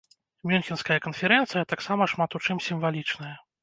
Мюнхенская канферэнцыя таксама шмат у чым сімвалічная.